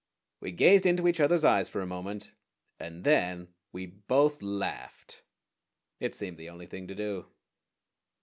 We gazed into each other's eyes for a moment, and then we both laughed. It seemed the only thing to do.